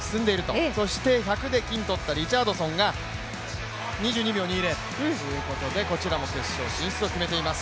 そして１００で金を取ったリチャードソンが２２秒２０ということでこちらも決勝進出を決めています。